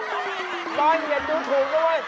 ตอนนี้อย่าดูถูกด้วย